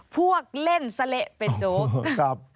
พวกเล่นซะเละเป็นโจ๊ก